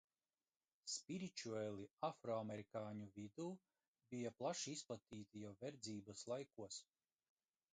Spiričueli afroamerikāņu vidū bija plaši izplatīti jau verdzības laikos.